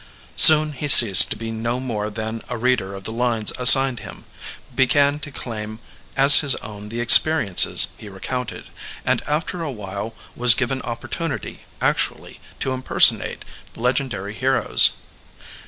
Soon he ceased to be no more than a reader of the lines assigned him, began to claim as his own the experiences he recounted, and after a while was given opportunity actually to impersonate legendary heroes.